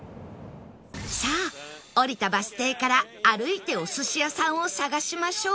さあ降りたバス停から歩いてお寿司屋さんを探しましょう